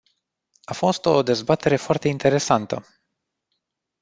A fost o dezbatere foarte interesantă.